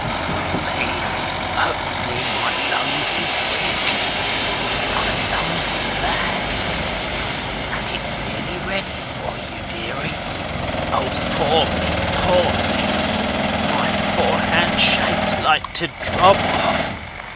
"O me, O me, my lungs is weak, my lungs is bad! It's nearly ready for ye, deary. Ah, poor me, poor me, my poor hand shakes like to drop off!